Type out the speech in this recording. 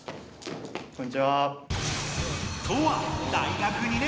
こんにちは。